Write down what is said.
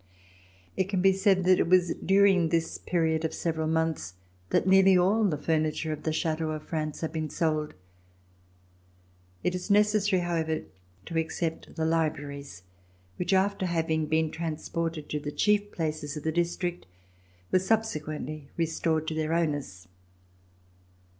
It can be said that it was during this period of several months that nearly all the furniture of the chateaux of France had been sold. It is necessary, however, to except the libraries which, after having been transported to the chief places of the district, were subsequently restored to their owners.